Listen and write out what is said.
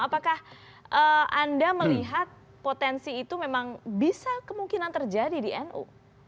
apakah anda melihat potensi itu memang bisa kemungkinan terjadi di nu